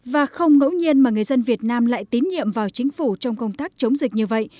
và không ngẫu nhiên mà người dân việt nam lại tín nhiệm vào chính phủ trong công tác chống dịch như vậy